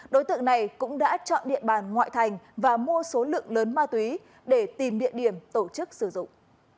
đối tượng này cũng đã chọn địa bàn ngoại thành và mua số lượng lớn ma túy để tìm địa điểm tổ chức sử dụng